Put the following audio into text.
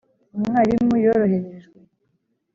umwarimu yoroherejwe